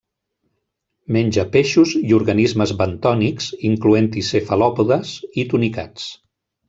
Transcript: Menja peixos i organismes bentònics, incloent-hi cefalòpodes i tunicats.